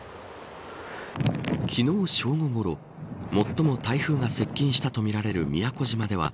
昨日正午ごろ最も台風が接近したとみられる宮古島では